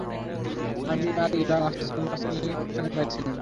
আমি আর ইলা রাস্তার মাঝখানে দাঁড়িয়ে ছিলাম।